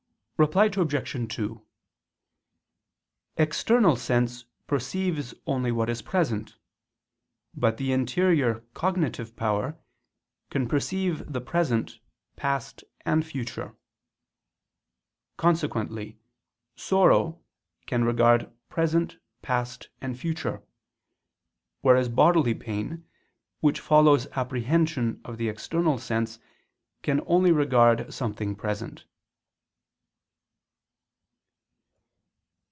Reply Obj. 2: External sense perceives only what is present; but the interior cognitive power can perceive the present, past and future. Consequently sorrow can regard present, past and future: whereas bodily pain, which follows apprehension of the external sense, can only regard something present.